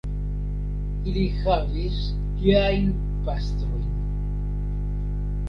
Ili havis geajn pastrojn.